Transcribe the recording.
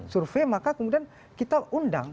survei maka kemudian kita undang